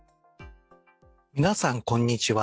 皆さん、こんにちは。